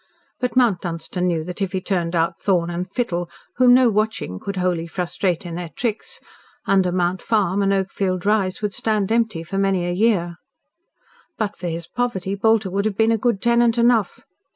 But Mount Dunstan knew that if he turned out Thorn and Fittle, whom no watching could wholly frustrate in their tricks, Under Mount Farm and Oakfield Rise would stand empty for many a year. But for his poverty Bolter would have been a good tenant enough.